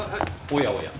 おやおや。